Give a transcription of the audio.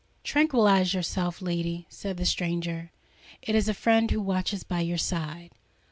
"Tranquillise yourself, lady," said the stranger: "it is a friend who watches by your side."